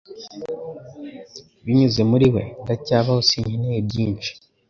binyuze muri we ndacyabaho Sinkeneye byinshi